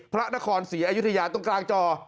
พระนครศรีอยุธยาตรงกลางจอ